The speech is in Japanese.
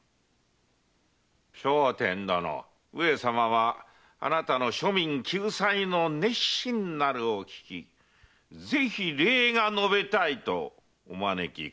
聖天殿上様はあなたの庶民救済の熱心なるを聞きぜひ礼が述べたいとお招きくだされたのですぞ。